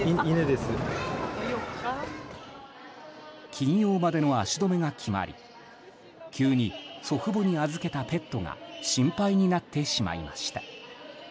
金曜までの足止めが決まり急に、祖父母に預けたペットが心配になってしまいました。